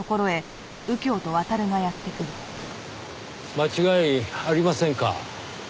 間違いありませんか？